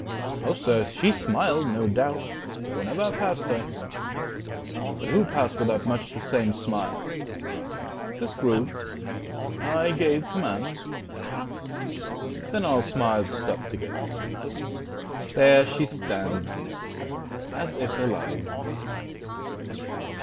Oh sir, she smiled, no doubt, Whene'er I passed her; but who passed without Much the same smile? This grew; I gave commands; Then all smiles stopped together. There she stands As if alive.